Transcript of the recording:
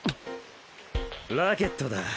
ラケットだ。